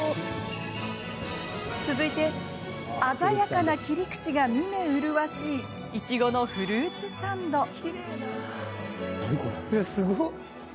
続いて鮮やかな切り口が見目麗しいいちごのフルーツサンド。